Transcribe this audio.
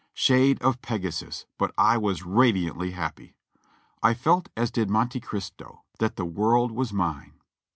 Shade of Pegasus, but I was radiantly happy! I felt as did Monte Cristo, "that the world was mine.""